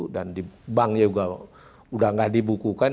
dan di banknya udah nggak dibukukan